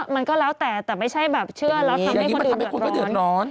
มันก็แล้วแต่แต่ไม่ใช่แบบเชื่อแล้วทำให้คนอื่นเดือดร้อน